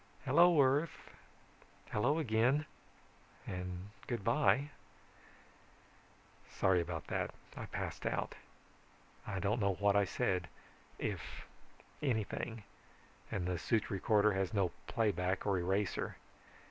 Hello, earth ... hello, again ... and good by ... "Sorry about that. I passed out. I don't know what I said, if anything, and the suit recorder has no playback or eraser.